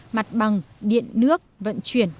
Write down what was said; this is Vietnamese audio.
mặt bằng điện nước vận chuyển